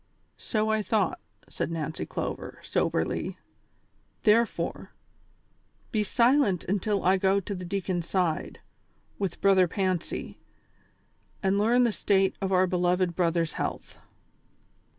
" So I thought," said Nancy Clover, soberly ;" therefore, be silent until I go to the deacon's side, with Brothei* Fancy, and learn the state of our beloved brother's health."